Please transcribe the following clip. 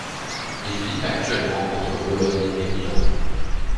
Il vit actuellement entre Bologne et Milan.